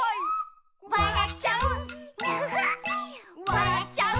「わらっちゃう」